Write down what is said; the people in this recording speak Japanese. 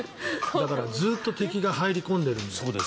だからずっと敵が入り込んでるんです。